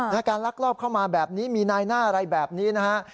การลักลอบเข้ามาแบบนี้มีนายหน้าอะไรแบบนี้นะฮะ